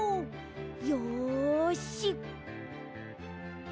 よし！